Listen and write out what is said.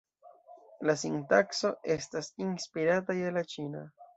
La sintakso estas inspirata je la ĉina.